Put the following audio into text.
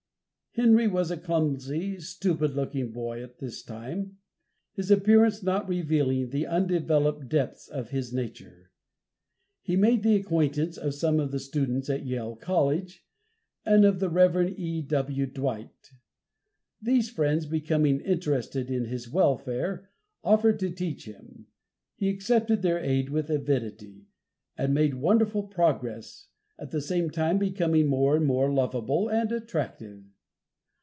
Henry was a clumsy, stupid looking boy at this time, his appearance not revealing the undeveloped depths of his nature. He made the acquaintance of some of the students at Yale College, and of the Rev. E. W. Dwight. These friends becoming interested in his welfare, offered to teach him. He accepted their aid with avidity, and made wonderful progress, at the same time becoming more and more lovable and attractive.